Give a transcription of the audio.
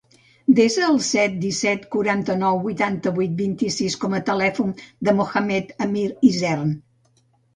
Desa el set, disset, quaranta-nou, vuitanta-vuit, vint-i-sis com a telèfon del Mohamed amir Isern.